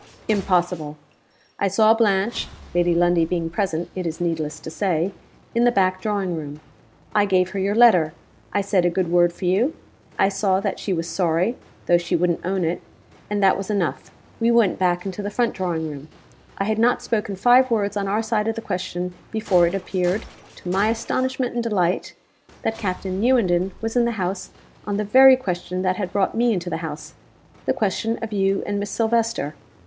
Impossible. I saw Blanche (Lady Lundie being present, it is needless to say) in the back drawing room. I gave her your letter; I said a good word for you; I saw that she was sorry, though she wouldn't own it and that was enough. We went back into the front drawing room. I had not spoken five words on our side of the question before it appeared, to my astonishment and delight, that Captain Newenden was in the house on the very question that had brought me into the house the question of you and Miss Silvester.